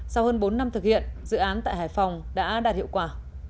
sau hơn bốn năm thực hiện dự án tại hải phòng đã đạt hiệu quả